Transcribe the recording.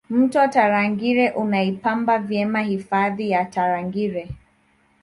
mto tarangire unaipamba vyema hifadhi ya tarangire